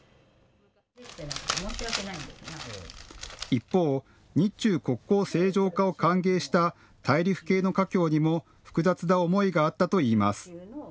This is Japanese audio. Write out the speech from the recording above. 一方、日中国交正常化を歓迎した大陸系の華僑にも複雑な思いがあったといいます。